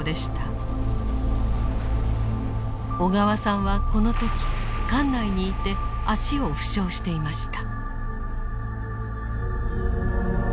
小川さんはこの時艦内にいて足を負傷していました。